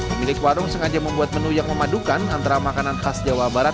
pemilik warung sengaja membuat menu yang memadukan antara makanan khas jawa barat